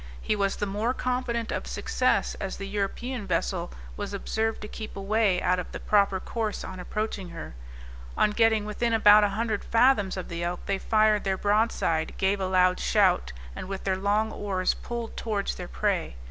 He was the more confident of success, as the European vessel was observed to keep away out of the proper course on approaching her. On getting within about an hundred fathoms of the Elk they fired their broadside, gave a loud shout, and with their long oars pulled towards their prey.